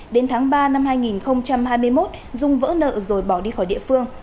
đến tháng ba năm hai nghìn hai mươi một dung vỡ nợ rồi bỏ đi khỏi địa phương